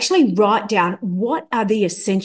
jadi sebenarnya tuliskan apa yang penting